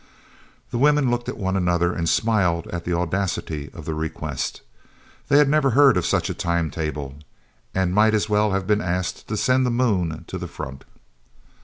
The women looked at one another and smiled at the audacity of the request. They had never heard of such a time table and might as well have been asked to send the moon to the front.